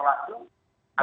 entah itu jadi korban